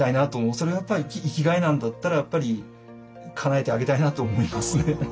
それはやっぱり生きがいなんだったらやっぱりかなえてあげたいなと思いますね。